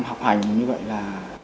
học hành như vậy là